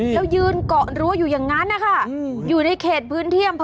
แล้วยืนเกาะรั้วอยู่อย่างนั้นนะคะอยู่ในเขตพื้นที่อำเภอ